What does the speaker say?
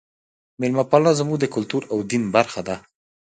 میلمه پالنه زموږ د کلتور او دین برخه ده.